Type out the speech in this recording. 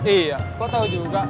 iya kok tau juga